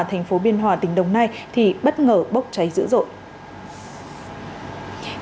thành phố biên hòa tỉnh đồng nai thì bất ngờ bốc cháy dữ dội